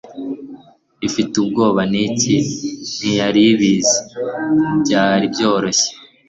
ifite ubwoba. niki? ntiyari abizi; byari byoroshye